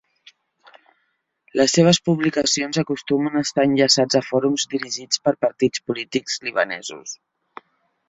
Les seves publicacions acostumen a estar enllaçats a fòrums dirigits per partits polítics libanesos.